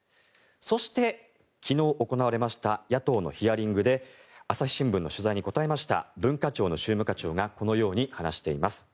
そして、昨日行われた野党のヒアリングで朝日新聞の取材に答えました文化庁の宗務課長がこのように話しています。